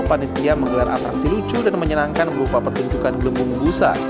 panitia menggelar atraksi lucu dan menyenangkan berupa pertunjukan gelembung busa